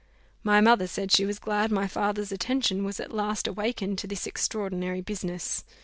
My mother said she was glad my father's attention was at last awakened to this extraordinary business.